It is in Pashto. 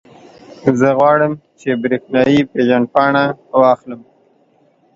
زه غواړم، چې برېښنایي پېژندپاڼه واخلم.